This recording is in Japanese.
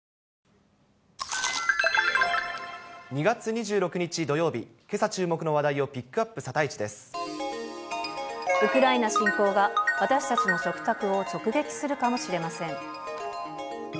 ２月２６日土曜日、けさ注目の話題をピックアップ、ウクライナ侵攻が、私たちの食卓を直撃するかもしれません。